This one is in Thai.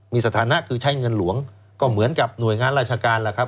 มีสถานะคือใช้เงินหลวงก็เหมือนกับหน่วยงานราชการแหละครับ